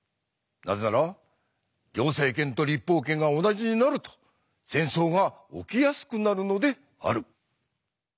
なぜなら行政権と立法権が同じになると戦争が起きやすくなるのである。